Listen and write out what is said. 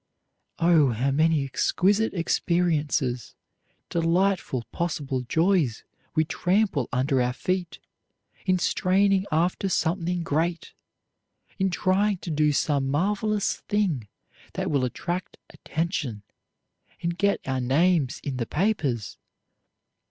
Oh, how many exquisite experiences, delightful possible joys we trample under our feet in straining after something great, in trying to do some marvelous thing that will attract attention and get our names in the papers!